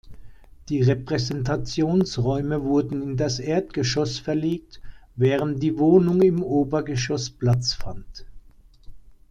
Die Repräsentationsräume wurden in das Erdgeschoss verlegt, während die Wohnung im Obergeschoss Platz fand.